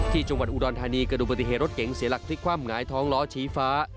ที่จังหวัดอุดรธานีเกิดดูปฏิเหตุรถเก๋งเสียหลักพลิกคว่ำหงายท้องล้อชี้ฟ้า